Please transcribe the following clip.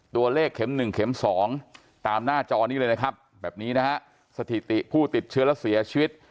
ตัวเลขเข็ม๑เข็ม๒ตามหน้าจอนี้เลยนะครับแบบนี้นะฮะสถิติผู้ติดเชื้อและเสียชีวิต